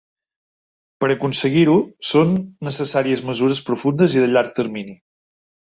Per a aconseguir-ho, són necessàries mesures profundes i a llarg termini.